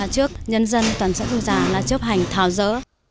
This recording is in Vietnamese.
trước nhân dân toàn dân du già là chấp hành tháo dỡ